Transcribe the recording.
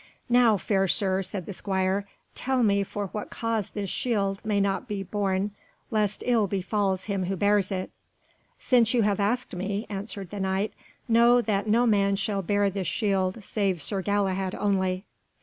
"Now, fair Sir," said the squire, "tell me for what cause this shield may not be borne lest ill befalls him who bears it." "Since you have asked me," answered the Knight, "know that no man shall bear this shield, save Sir Galahad only."